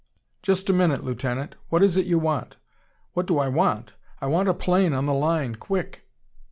"Just a minute, Lieutenant! What is it you want?" "What do I want? I want a plane on the line quick!"